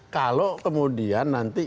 kalau kemudian nanti